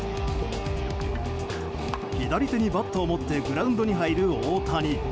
左手にバットを持ってグラウンドに入る大谷。